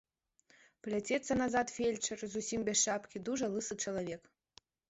Пляцецца назад фельчар, зусім без шапкі, дужа лысы чалавек.